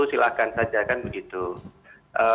silahkan saja kan begitu